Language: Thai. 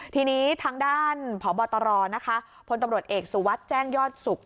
ทีนี้ทางด้านพบตรนะคะพลตำรวจเอกสุวัสดิ์แจ้งยอดสุข